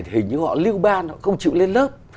thì hình như họ lưu ban họ không chịu lên lớp